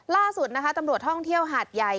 ล่าสุดนะคะตำรวจท่องเที่ยวหาดใหญ่